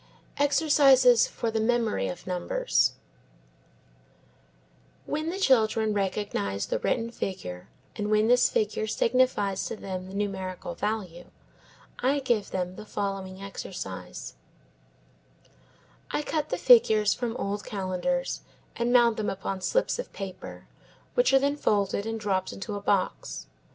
EXERCISES FOR THE MEMORY OF NUMBERS When the children recognise the written figure, and when this figure signifies to them the numerical value, I give them the following exercise: I cut the figures from old calendars and mount them upon slips of paper which are then folded and dropped into a box.